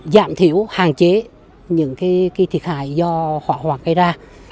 giảm thiểu hàn chế những thiệt hại do hỏa hoạn gây ra